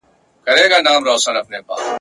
ځان قرباني کړه.